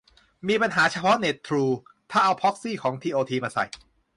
มีปัญหาเฉพาะเน็ต ทรู ถ้าเอาพร็อกซีของทีโอทีมาใส่